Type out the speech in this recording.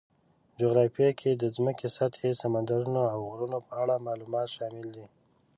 په جغرافیه کې د ځمکې سطحې، سمندرونو، او غرونو په اړه معلومات شامل دي.